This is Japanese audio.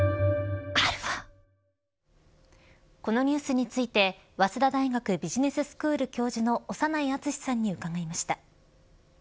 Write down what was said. このニュースについて早稲田大学ビジネススクール教授の長内厚さんに伺いました。